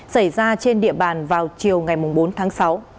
xảy ra trên địa bàn vào chiều ngày bốn tháng sáu